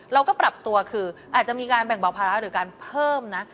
เราก็ปรับตัวคืออาจจะมีการแบ่งเบาภาระหรือการเพิ่มนะ